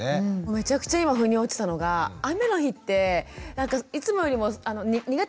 めちゃくちゃ今ふに落ちたのが雨の日っていつもよりも苦手なんですね